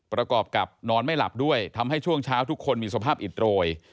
ประกอบกับนอนไม่หลับด้วยทำให้ช่วงเช้าทุกคนมีสภาพอิดโรย